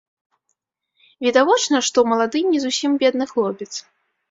Відавочна, што малады не зусім бедны хлопец.